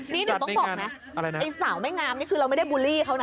นี่เดี๋ยวต้องบอกนะไอ้สาวไม่งามนี่คือเราไม่ได้บูลลี่เขานะ